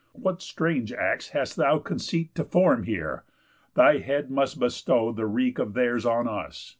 What strange acts hast thou Conceit to form here? Thy head must bestow The wreak of theirs on us.